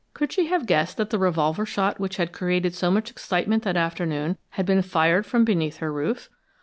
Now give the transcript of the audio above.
Could she have guessed that the revolver shot which had created so much excitement that afternoon had been fired from beneath her roof?